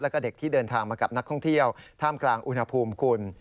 แล้วก็เด็กที่เดินทางมากับนักท่องเที่ยวท่ามกลางอุณหภูมิคุณ